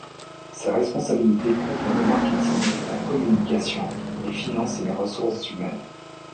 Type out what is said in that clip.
Ses responsabilités couvrent le marketing, la communication, les finances et les ressources humaines.